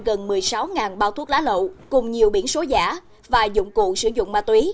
gần một mươi sáu bao thuốc lá lậu cùng nhiều biển số giả và dụng cụ sử dụng ma túy